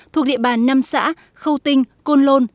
thuộc địa bàn năm xã khâu tinh côn lôn